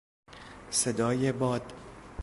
صدای باد